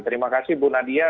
terima kasih bu nadia